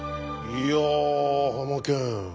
いやハマケン。